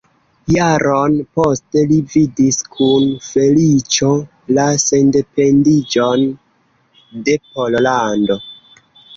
Jaron poste li vidis kun feliĉo la sendependiĝon de Pollando.